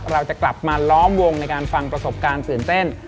เราจะกลับมาล้อมวงในการฟังประสบการณ์ตื่นเต้น